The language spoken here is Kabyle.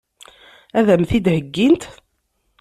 Ad m-t-id-heggint?